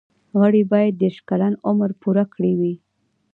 غړي باید دیرش کلن عمر پوره کړی وي.